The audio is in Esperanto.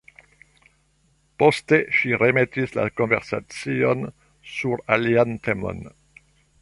Poste ŝi remetis la konversacion sur alian temon.